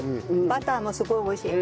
バターもすごい美味しい。